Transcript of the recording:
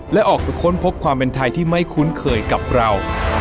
และออกไปค้นพบความเป็นไทยที่ไม่คุ้นเคยกับเรา